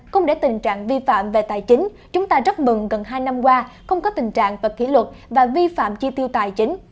không để tình trạng vi phạm về tài chính chúng ta rất mừng gần hai năm qua không có tình trạng và kỷ luật và vi phạm chi tiêu tài chính